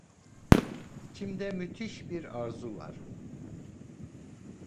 İçimde müthiş bir arzu var…